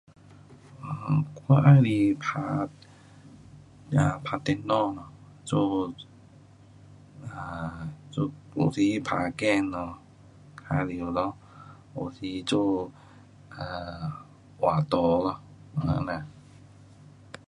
我喜欢打，打电脑。做 um 有时打 game 咯。有时做